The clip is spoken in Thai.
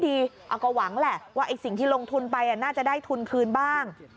เอาก็หวังแหละว่าไอ้สิ่งที่ลงทุนไปน่าจะได้ทุนคืนบ้าง